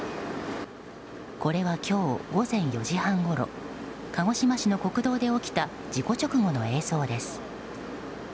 これは今日午前４時半ごろ鹿児島市の国道で起きた事故直後の映像です。